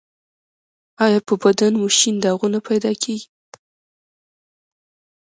ایا په بدن مو شین داغونه پیدا کیږي؟